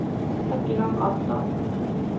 さっき何かあった？